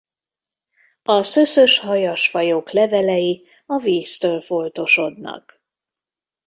A szöszös-hajas fajok levelei a víztől foltosodnak.